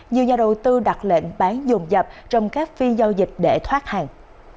nhiều nhà đầu tư đặt lệnh bán dồn dập trong các phiên giao dịch để thoát hàng